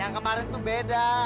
yang kemarin itu beda